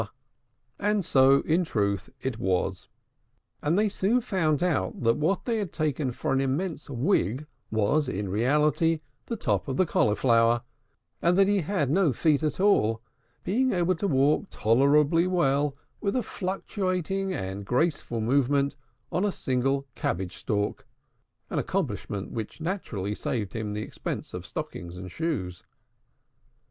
And so, in truth, it was: and they soon found that what they had taken for an immense wig was in reality the top of the Cauliflower; and that he had no feet at all, being able to walk tolerably well with a fluctuating and graceful movement on a single cabbage stalk, an accomplishment which naturally saved him the expense of stockings and shoes.